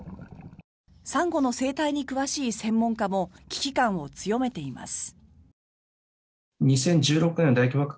サンゴの生態に詳しい専門家も危機感を強めています。